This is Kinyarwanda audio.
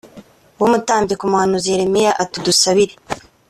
w umutambyi ku muhanuzi yeremiya ati udusabire